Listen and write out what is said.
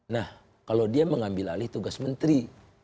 nah kalau dia mengambil alih tugas menteri